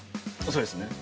そうですね。